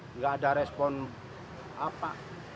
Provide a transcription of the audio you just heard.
nggak ada respon apa